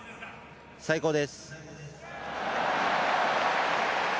最高です。